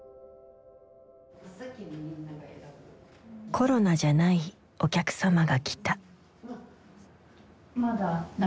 コロナじゃないお客様が来た。